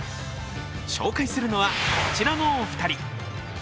紹介するのは、こちらのお二人。